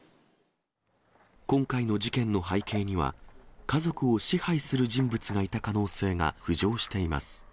今回の事件の背景には、家族を支配する人物がいた可能性が浮上しています。